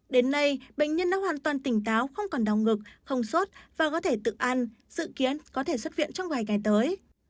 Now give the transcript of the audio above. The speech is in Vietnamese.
đến nay bệnh nhân đã hoàn toàn tỉnh táo không còn đau ngực không sốt và có thể tự ăn dự kiến có thể xuất viện trong vài ngày tới